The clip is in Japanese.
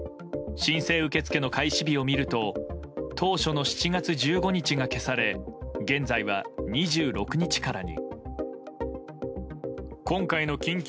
申請受け付けの開始日を見ると当初の７月１５日が消され現在は２６日からに。